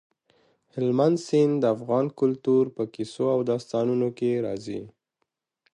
هلمند سیند د افغان کلتور په کیسو او داستانونو کې راځي.